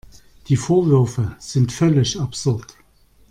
Die Vorwürfe sind völlig absurd.